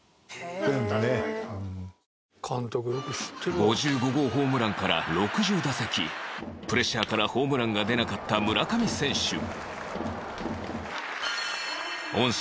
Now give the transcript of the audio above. ５５号ホームランから６０打席プレッシャーから、ホームランが出なかった村上選手恩師